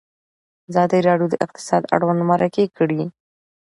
ازادي راډیو د اقتصاد اړوند مرکې کړي.